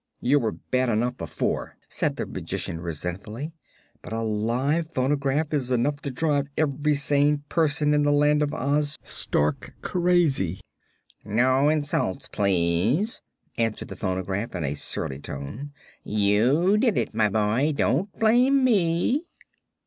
"You were bad enough before," said the Magician, resentfully; "but a live phonograph is enough to drive every sane person in the Land of Oz stark crazy." "No insults, please," answered the phonograph in a surly tone. "You did it, my boy; don't blame me."